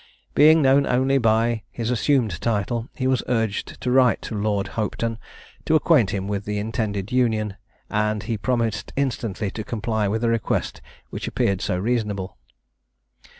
Being known only by his assumed title, he was urged to write to Lord Hopetoun, to acquaint him with the intended union, and he promised instantly to comply with a request which appeared so reasonable.